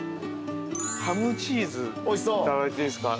ハムチーズ頂いていいですか？